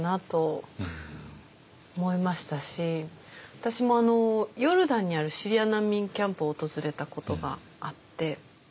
私もヨルダンにあるシリア難民キャンプを訪れたことがあって。